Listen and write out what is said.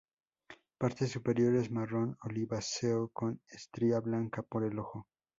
Partes superiores marrón oliváceo, con estría blanca por el ojo.